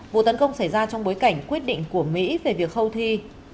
vụ tấn công xảy ra trong bối cảnh quyết định của mỹ về việc houthi